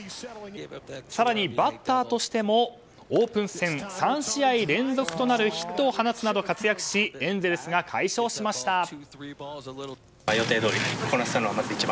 更に、バッターとしてもオープン戦３試合連続となるヒットを放つなど活躍しエンゼルスが快勝しました。